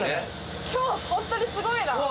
今日ホントにすごいな。